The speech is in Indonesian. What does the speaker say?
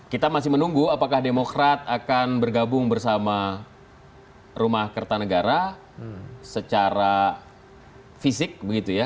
kita masih menunggu apakah demokrat akan bergabung bersama rumah kertanegara secara fisik begitu ya